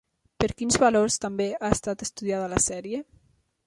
Per quins valors també ha estat estudiada la sèrie?